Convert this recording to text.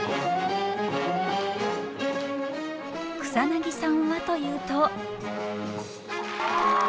草さんはというと。